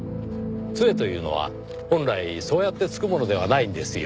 杖というのは本来そうやってつくものではないんですよ。